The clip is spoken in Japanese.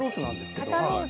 肩ロース？